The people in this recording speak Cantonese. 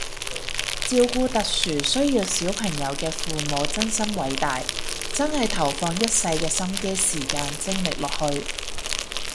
照顧特殊需要小朋友嘅父母真心偉大，真係投放一世嘅心機時間精力落去